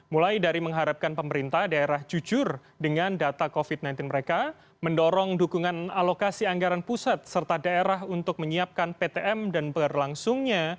mulai dari mengharapkan pemerintah daerah jujur dengan data covid sembilan belas mereka mendorong dukungan alokasi anggaran pusat serta daerah untuk menyiapkan ptm dan berlangsungnya